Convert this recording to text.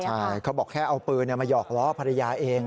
ใช่เขาบอกแค่เอาปืนมาหยอกล้อภรรยาเอง